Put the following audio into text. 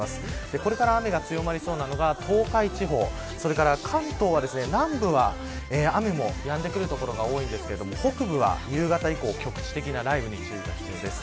これから雨が強まりそうなのが東海地方関東は南部は雨もやんでくる所が多いですが北部は夕方以降、局地的な雷雨に注意が必要です。